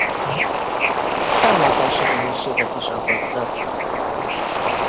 Ellátási nehézségek is akadtak.